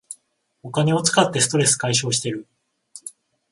お金を使ってストレス解消してる